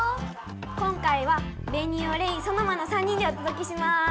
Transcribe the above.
今回はベニオレイソノマの３人でおとどけします。